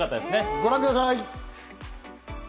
ご覧ください。